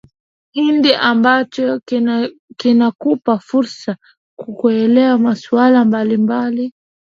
indi ambacho kinakupa fursa kuelewa masuala mbalimbali